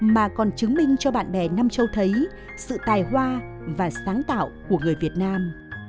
mà còn chứng minh cho bạn bè nam châu thấy sự tài hoa và sáng tạo của người việt nam